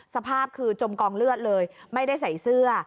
สภาพคือจมกองเลือดเลยไม่ได้ใส่เสื้อ